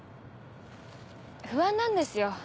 不安なんですよ